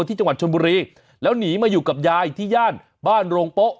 ที่จังหวัดชนบุรีแล้วหนีมาอยู่กับยายที่ย่านบ้านโรงโป๊ะ